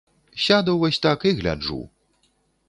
Сяду вось так і гляджу!